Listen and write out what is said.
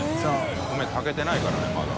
炊けてないですからねまだ。